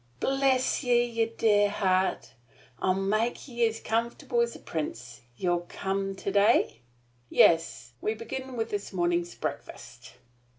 "Bless yer dear heart! I'll make ye as comfortable as a prince! Ye'll come to day?" "Yes. We'll begin with this morning's breakfast."